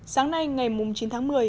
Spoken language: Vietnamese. sáng nay ngày chín tháng một mươi